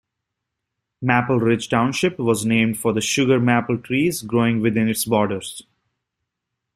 Maple Ridge Township was named for the sugar maple trees growing within its borders.